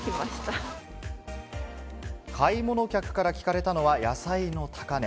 買い物客から聞かれたのは野菜の高値。